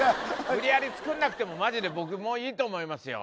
無理やり作んなくてもまじで僕もいいと思いますよ